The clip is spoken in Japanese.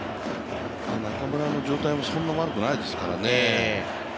中村の状態もそんな悪くないですからね。